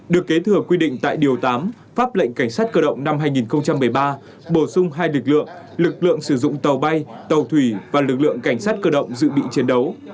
được kế thừa quy định tại điều tám pháp lệnh cảnh sát cơ động năm hai nghìn một mươi ba bổ sung hai lực lượng lực lượng sử dụng tàu bay tàu thủy và lực lượng cảnh sát cơ động dự bị chiến đấu